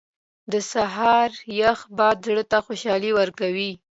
• د سهار یخ باد زړه ته خوشحالي ورکوي.